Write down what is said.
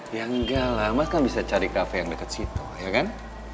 ya enggak lah mas kan bisa cari kafe yang dekat situ ya kan